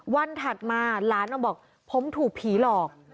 ถัดมาหลานเอาบอกผมถูกผีหลอก